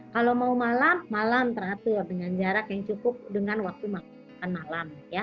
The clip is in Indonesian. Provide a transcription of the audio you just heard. kalau mau malam malam teratur dengan jarak yang cukup dengan waktu makan malam